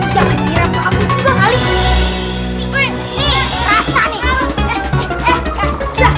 jangan diram ke api tiga kali